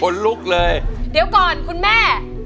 รอบนี้คุณแม่ก็ให้การเสร็จสนุกเลยนะครับ